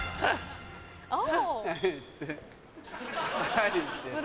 何してんの？